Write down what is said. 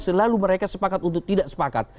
selalu mereka sepakat untuk tidak sepakat